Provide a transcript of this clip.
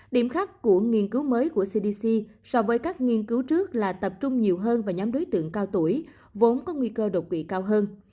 điểm khác của nghiên cứu mới của cdc so với các nghiên cứu trước là tập trung nhiều hơn vào nhóm đối tượng cao tuổi vốn có nguy cơ độc quỵ cao hơn